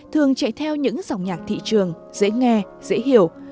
thường chạy theo những dòng nhạc thị trường dễ nghe dễ hiểu